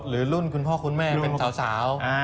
หรือรุ่นคุณพ่อคุณแม่เป็นสาว